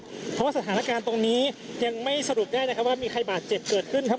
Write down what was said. เพราะว่าสถานการณ์ตรงนี้ยังไม่สรุปได้นะครับว่ามีใครบาดเจ็บเกิดขึ้นครับ